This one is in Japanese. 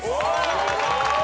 おめでとう。